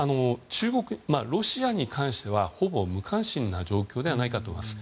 ロシアに関してはほぼ無関心な状況ではないかと思います。